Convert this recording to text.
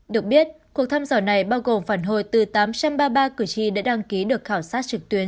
được biết cuộc thăm dò này bao gồm phản hồi từ tám trăm ba mươi ba cử tri đã đăng ký được khảo sát trực tuyến